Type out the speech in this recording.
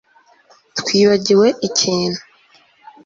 Twibagiwe ikintu